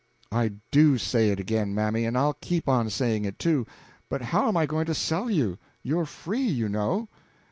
"I do say it again, mammy, and I'll keep on saying it, too. But how am I going to sell you? You're free, you know."